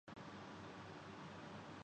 گے لیکن ایسا نہ ہوا۔